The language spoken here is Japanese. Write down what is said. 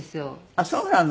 あっそうなの。